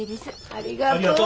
ありがとう。